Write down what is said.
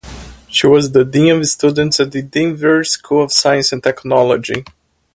She was the dean of students at the Denver School of Science and Technology.